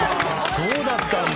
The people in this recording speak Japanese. そうだったんだ。